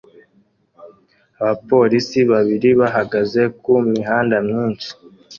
Abapolisi babiri bahagaze ku mihanda myinshi